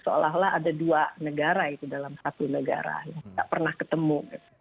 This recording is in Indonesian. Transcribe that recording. seolah olah ada dua negara itu dalam satu negara yang tidak pernah ketemu